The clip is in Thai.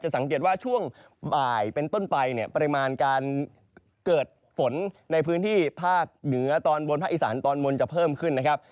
สังเกตว่าช่วงบ่ายเป็นต้นไปเนี่ยปริมาณการเกิดฝนในพื้นที่ภาคเหนือตอนบนภาคอีสานตอนบนจะเพิ่มขึ้นนะครับ